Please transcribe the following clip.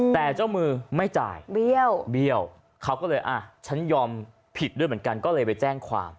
แต่เจ้ามือไม่จ่ายเบี้ยวเบี้ยวเขาก็เลยอ่ะฉันยอมผิดด้วยเหมือนกัน